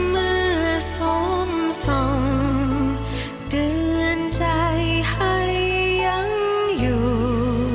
เมื่อสวมส่องเตือนใจให้ยังอยู่